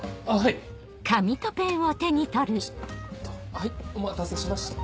はいお待たせしました。